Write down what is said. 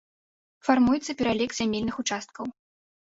Фармуецца пералік зямельных участкаў.